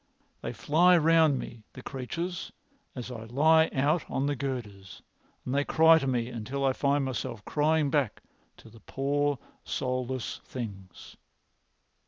They fly round me, the creatures, as I lie out on the girders, and they cry to me until I find myself crying back to the poor soulless things."